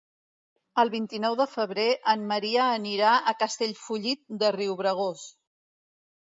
El vint-i-nou de febrer en Maria anirà a Castellfollit de Riubregós.